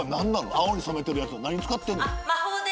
青に染めとるやつは何使ってんの？